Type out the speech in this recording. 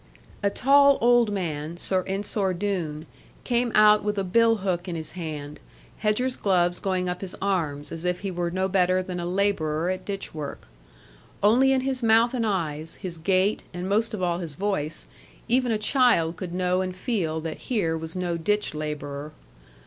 A tall old man, Sir Ensor Doone, came out with a bill hook in his hand, hedger's gloves going up his arms, as if he were no better than a labourer at ditch work. Only in his mouth and eyes, his gait, and most of all his voice, even a child could know and feel that here was no ditch labourer.